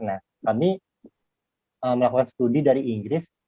nah kami melakukan studi dari inggris